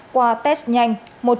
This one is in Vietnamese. qua test nhanh